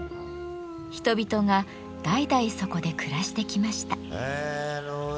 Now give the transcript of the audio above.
人々が代々そこで暮らしてきました。